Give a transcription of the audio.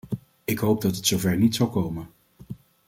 Ik hoop dat het zover niet zal komen.